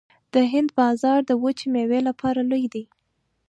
د هند بازار د وچې میوې لپاره لوی دی